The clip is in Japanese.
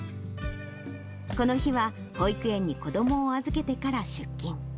この日は保育園に子どもを預けてから、出勤。